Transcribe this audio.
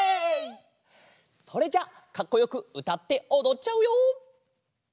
それじゃあかっこよくうたっておどっちゃうよ！